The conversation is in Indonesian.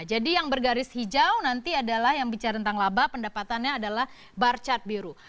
jadi yang bergaris hijau nanti adalah yang bicara tentang laba pendapatannya adalah bar chart biru